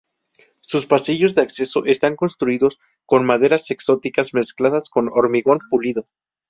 Sus pasillos de acceso están construidos con maderas exóticas mezcladas con hormigón pulido.